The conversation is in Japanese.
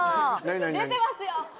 ・出てますよ・